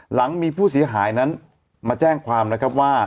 หลังมีผู้เสียหายนั้นมาแจ้งความนะครับว่า